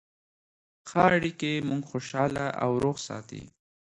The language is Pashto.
ښه اړیکې موږ خوشحاله او روغ ساتي.